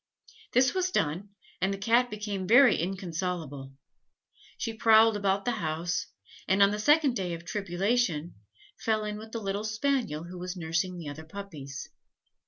This was done, and the Cat became very inconsolable. She prowled about the house, and on the second day of tribulation, fell in with the little spaniel who was nursing the other puppies.